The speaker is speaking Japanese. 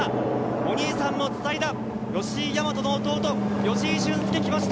お兄さんのつないだ吉居大和の弟・吉居駿恭が来ました。